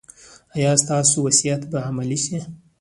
ایا ستاسو وصیت به عملي شي؟